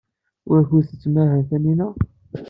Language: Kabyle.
Wukud tettmahal Taninna?